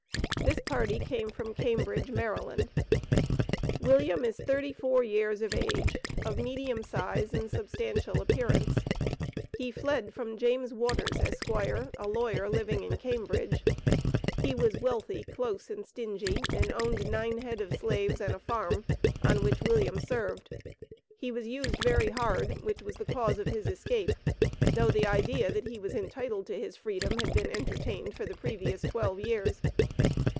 This party came from Cambridge, Md. William is thirty four years of age, of medium size and substantial appearance. He fled from James Waters, Esq., a lawyer, living in Cambridge. He was "wealthy, close, and stingy," and owned nine head of slaves and a farm, on which William served. He was used very hard, which was the cause of his escape, though the idea that he was entitled to his freedom had been entertained for the previous twelve years.